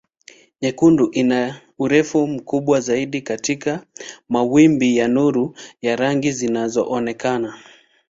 Nyekundu ina urefu mkubwa zaidi kati ya mawimbi ya nuru ya rangi zinazoonekana.